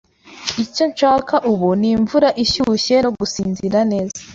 Icyo nshaka ubu ni imvura ishyushye no gusinzira neza.